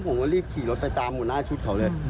ผมก็รีบขี่รถไปตามหัวหน้าชุดเขาเลย